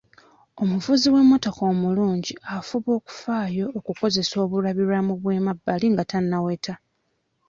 Omuvuzi w'emmotoka omulungi afuba okufaayo okukozesa obulabirwamu bw'emabbali nga tannaweta.